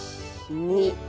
２。